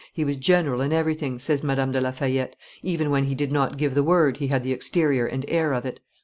"He was general in everything," says Madame de la Fayette; "even when he did not give the word, he had the exterior and air of it."